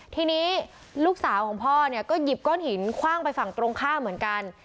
ทีนี้ลูกสาวของพ่อเนี่ยก็หยิบก้อนหินคว่างไปฝั่งตรงข้ามเหมือนกัน